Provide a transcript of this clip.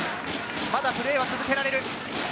まだプレーは続けられる。